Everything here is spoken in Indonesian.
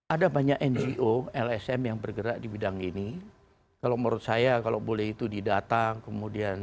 ada banyak ngo lsm yang bergerak di bidang ini kalau menurut saya kalau boleh itu didata kemudian